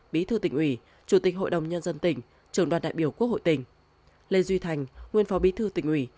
bí thư tỉnh ủy chủ tịch hội đồng nhân dân tỉnh trưởng đoàn đại biểu quốc hội tỉnh lê duy thành nguyên phó bí thư tỉnh ủy